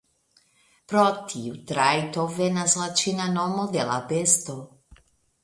Pro tiu trajto venas la ĉina nomo de la besto.